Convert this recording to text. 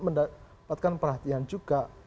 mendapatkan perhatian juga